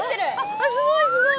あっすごいすごい。